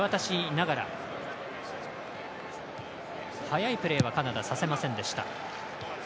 早いプレーはカナダ、させませんでした。